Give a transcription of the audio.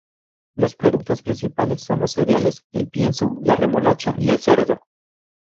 Los productos principales son los cereales, el pienso, la remolacha y el cerdo.